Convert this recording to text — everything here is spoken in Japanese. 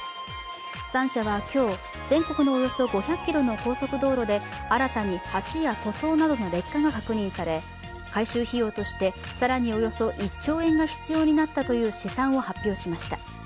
３社は今日、全国のおよそ５００ｋｍの道路で新たに橋や塗装などの劣化が確認され、改修費用として更におよそ１兆円が必要になったという試算を発表しました。